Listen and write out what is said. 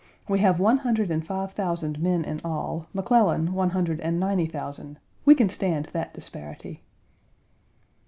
We have one hundred and five thousand men in all, McClellan one hundred and ninety thousand. We can stand that disparity."